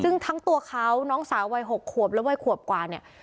ซึ่งทั้งตัวเขาน้องสาววัย๖ขวบและวัยขวบกว่าเนี่ย